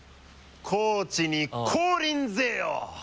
高知に降臨ぜよ！